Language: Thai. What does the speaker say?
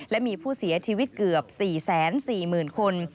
และมีผู้เสียชีวิตเกือบ๔๔๐๐๐คน